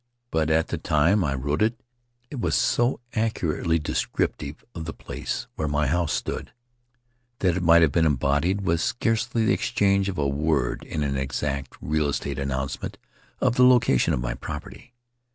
But at the time I wrote it it was so accurately descriptive of the place where my house stood that it might have been embodied with scarcely the exchange of a word in an exact real estate announcement of the location of my property.